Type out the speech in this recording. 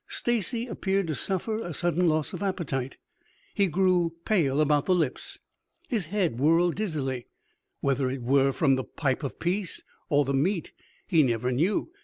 Stacy appeared to suffer a sudden loss of appetite. He grew pale about the lips, his head whirled dizzily. Whether it were from the pipe of peace or the meat, he never knew.